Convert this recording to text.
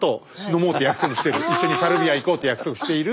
一緒にサルビア行こうって約束している。